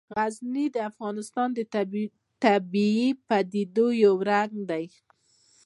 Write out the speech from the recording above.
غزني د افغانستان د طبیعي پدیدو یو رنګ دی.